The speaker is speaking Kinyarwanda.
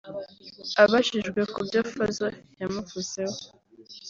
Abajijwe ku byo Fazzo yamuvuzeho